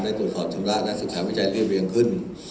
ได้ตรวจสอนชำระและสุขายวิจัยเรียบเรียงขึ้น